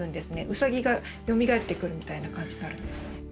ウサギがよみがえってくるみたいな感じになるんですね。